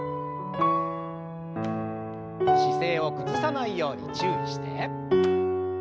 姿勢を崩さないように注意して。